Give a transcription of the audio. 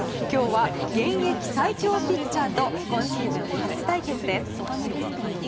今日は現役最強ピッチャーと今シーズン初対決です。